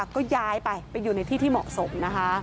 ก็ย้ายไปไปอยู่ในที่ที่เหมาะสมนะคะ